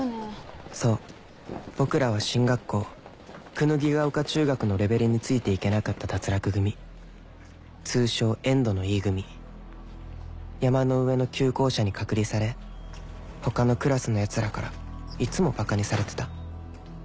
そう僕らは進学校椚ヶ丘中学のレベルについていけなかった脱落組通称「ＥＮＤのＥ組」山の上の旧校舎に隔離され他のクラスの奴らからいつもバカにされてた